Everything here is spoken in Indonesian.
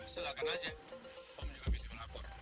silahkan aja om juga bisa melapor